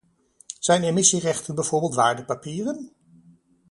Zijn emissierechten bijvoorbeeld waardepapieren?